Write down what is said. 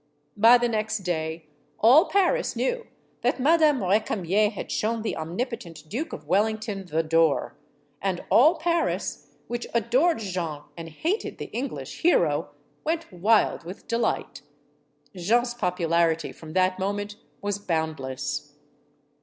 By the next day all Paris knew that Madame Re camier had shown the omnipotent Duke of Wellington the door. And all Paris which adored Jeanne and hated the English hero went wild with delight. Jeanne's popularity from that moment was bound less.